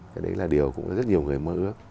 cái đấy là điều cũng rất nhiều người mơ ước